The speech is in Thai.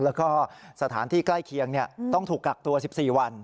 แล้วก็สถานที่ใกล้เคียงต้องถูกกักตัว๑๔วัน